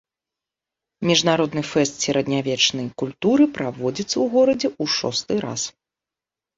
Міжнародны фэст сярэднявечнай культуры праводзіцца ў горадзе ў шосты раз.